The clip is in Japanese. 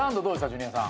ジュニアさん。